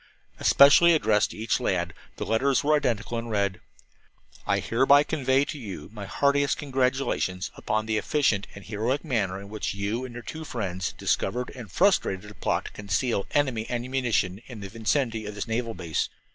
Especially addressed to each lad, the letters were identical and read: "I hereby convey to you my heartiest congratulations upon the efficient and heroic manner in which you and your two friends discovered and frustrated a plot to conceal enemy ammunition in the vicinity of this naval base.